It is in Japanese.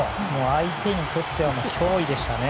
相手にとっては脅威でしたね。